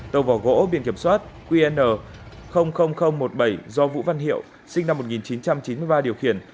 tàu vỏ gỗ biển kiểm soát qn một mươi bảy do vũ văn hiệu sinh năm một nghìn chín trăm chín mươi ba điều khiển